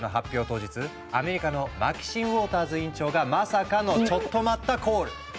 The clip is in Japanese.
当日アメリカのマキシン・ウォーターズ委員長がまさかのチョット待ったコール！